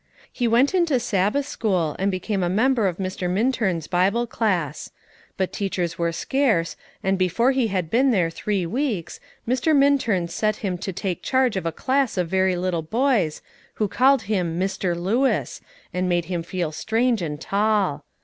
He went into Sabbath school, and became a member of Mr. Minturn's Bible class; but teachers were scarce, and before he had been there three weeks Mr. Minturn sent him to take charge of a class of very little boys, who called him "Mr. Lewis," and made him feel strange and tall.